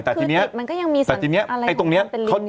แต่ที่นี้